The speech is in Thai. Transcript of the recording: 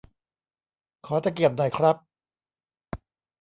ขอตะเกียบหน่อยครับ